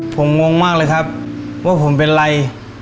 ผมงงมากเลยครับว่าผมเป็นไร